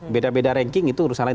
beda beda ranking itu urusan lain